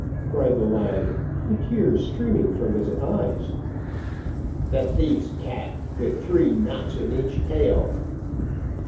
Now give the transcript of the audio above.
cried the lad, the tears streaming from his eyes. "The thief's cat, with three knots in each tail."